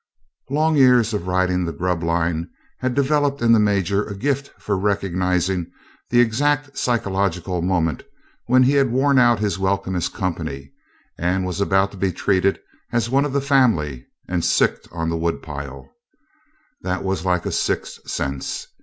Long years of riding the grub line had developed in the Major a gift for recognizing the exact psychological moment when he had worn out his welcome as company and was about to be treated as one of the family and sicced on the woodpile, that was like a sixth sense.